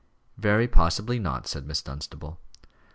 "Very possibly not," said Miss Dunstable.